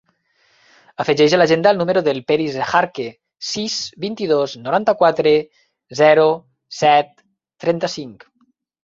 Afegeix a l'agenda el número del Peris Ejarque: sis, vint-i-dos, noranta-quatre, zero, set, trenta-cinc.